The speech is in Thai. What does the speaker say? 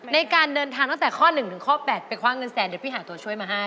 ในการเดินทางตั้งแต่ข้อ๑ถึงข้อ๘ไปคว้าเงินแสนเดี๋ยวพี่หาตัวช่วยมาให้